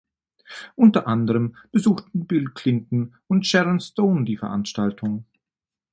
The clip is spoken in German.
Unter anderem besuchten Bill Clinton und Sharon Stone die Veranstaltung.